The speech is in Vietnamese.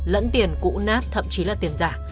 lẫn tiền cũ nát thậm chí là tiền giả